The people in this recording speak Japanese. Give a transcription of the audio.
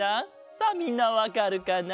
さあみんなわかるかな？